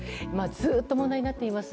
ずっと問題になっています